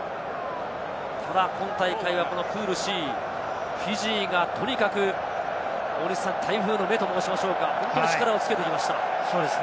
ただ今大会は、このプールＣ、フィジーがとにかく台風の目と申しましょうか、力をつけてきました。